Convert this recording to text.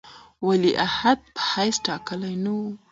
ولیعهد په حیث ټاکلی نه وو.